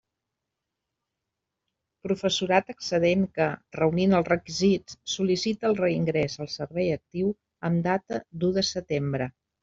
Professorat excedent que, reunint els requisits, sol·licita el reingrés al servei actiu amb data d'u de setembre.